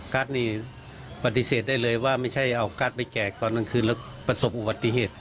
ัสนี่ปฏิเสธได้เลยว่าไม่ใช่เอากัสไปแจกตอนกลางคืนแล้วประสบอุบัติเหตุ